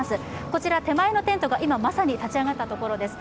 こちら手前のテントが今、まさに立ち上がったところです。